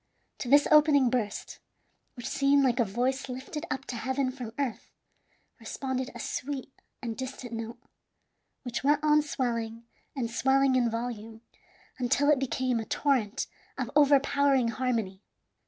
To this opening burst, which seemed like a voice lifted up to heaven from earth, responded a sweet and distant note, which went on swelling and swelling in volume until it became a torrent of overpowering harmony.